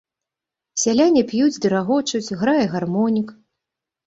Сяляне п'юць ды рагочуць, грае гармонік.